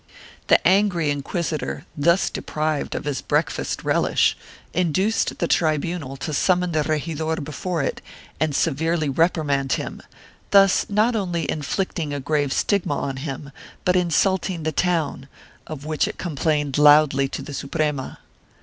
The angry inquisitor, thus deprived of his breakfast relish, induced the tribunal to summon the regidor before it and severely reprimand him, thus not only inflicting a grave stigma on him, but insulting the town, of which it com plained loudly to the Suprema.